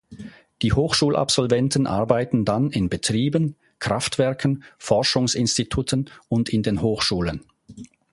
Die Hochschulabsolventen arbeiten dann in Betrieben, Kraftwerken, Forschungsinstituten und in den Hochschulen.